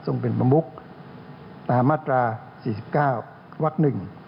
ทรงเป็นประมุกตามมาตรา๔๙วัตต์๑